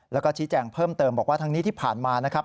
แล้วก็ชี้แจงเพิ่มเติมบอกว่าทั้งนี้ที่ผ่านมานะครับ